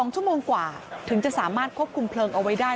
๒ชั่วโมงกว่าถึงจะสามารถควบคุมเพลิงเอาไว้ได้